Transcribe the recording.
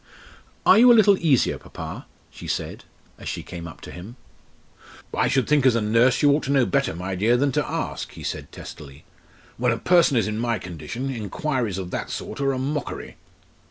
"Are you a little easier, papa?" she said, as she came up to him. "I should think as a nurse you ought to know better, my dear, than to ask," he said testily. "When a person is in my condition, enquiries of that sort are a mockery!"